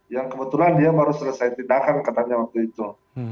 yang kebetulan dia baru selesai tindakan katanya waktu itu